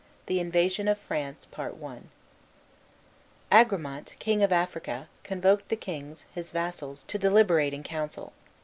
THE INVASION OF FRANCE Agramant, King of Africa, convoked the kings, his vassals, to deliberate in council.